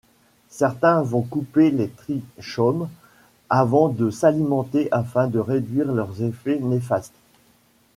Certains vont couper les trichomes avant de s'alimenter afin de réduire leurs effets néfastes.